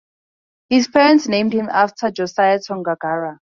His parents named him after Josiah Tongogara.